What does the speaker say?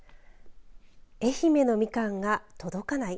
愛媛のみかんが届かない？